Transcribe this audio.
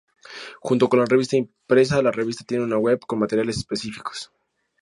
Junto con la revista impresa la revista tiene una web con materiales específicos.